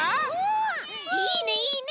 いいねいいね！